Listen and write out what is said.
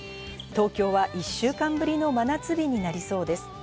東京は１週間ぶりの真夏日になりそうです。